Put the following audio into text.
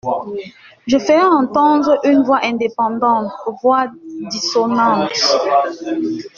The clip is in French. Je ferai entendre une voix indépendante, voire dissonante.